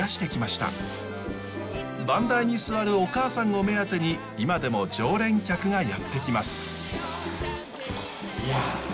番台に座るお母さんを目当てに今でも常連客がやって来ます。